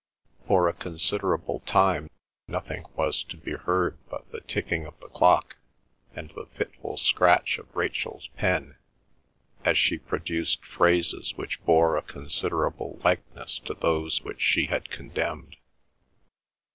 For a considerable time nothing was to be heard but the ticking of the clock and the fitful scratch of Rachel's pen, as she produced phrases which bore a considerable likeness to those which she had condemned.